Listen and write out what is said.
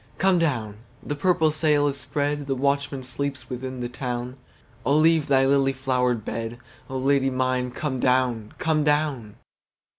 Come down! the purple sail is spread, The watchman sleeps within the town,O leave thy lily flowered bed,O Lady mine come down, come down!